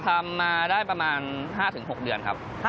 ทำมาได้ประมาณ๕๖เดือนครับ